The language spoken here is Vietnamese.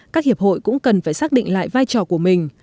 các hiệp hội cũng cần phải xác định lại vai trò của mình